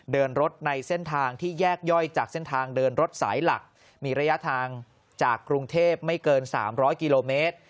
เดินรถในเส้นทางที่แยกย่อยจากเส้นทางเดินรถสายหลักมีระยะทางจากกรุงเทพไม่เกิน๓๐๐กิโลเมตร